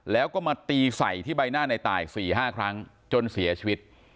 แล้วก็มาตีใส่ที่ใบหน้าในตาย๔๕ครั้งจนเสียชีวิต